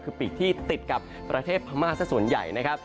คือปีกที่ติดกับประเทศพม่าสักส่วนใหญ่นะครับ